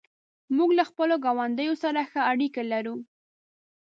موږ له خپلو ګاونډیانو سره ښه اړیکه لرو.